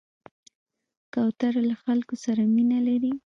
کوتره له خلکو سره مینه لري.